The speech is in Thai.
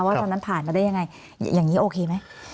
ตอนนั้นผ่านมาได้ยังไงอย่างนี้โอเคไหม